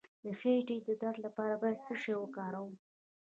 د خیټې د درد لپاره باید څه شی وکاروم؟